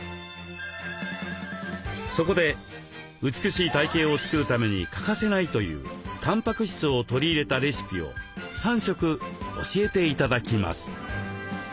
そこで美しい体形を作るために欠かせないというたんぱく質を取り入れたレシピを３食教えて頂きます。